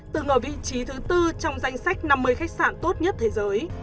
từng ở vị trí thứ tư trong danh sách năm mươi khách sạn tốt nhất thế giới